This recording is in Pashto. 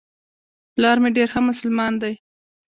پلار مي ډېر ښه مسلمان دی .